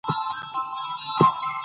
نړۍواله کرکټ شورا د کرکټ قانونونه ټاکي.